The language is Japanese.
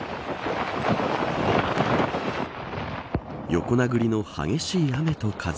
横殴りの激しい雨と風。